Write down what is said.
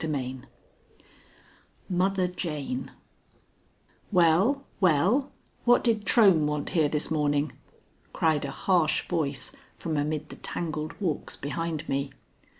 XXI MOTHER JANE "Well, well, what did Trohm want here this morning?" cried a harsh voice from amid the tangled walks behind me.